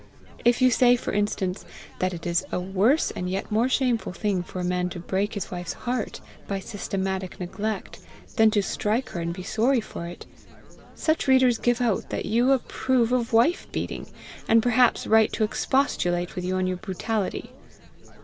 If you say, for instance, that it is a worse and yet more shameful thing for a man to break his wife's heart by systematic neglect, than to strike her and be sorry for it, such readers give out that you approve of wife beating, and perhaps write to expostulate with you on your brutality.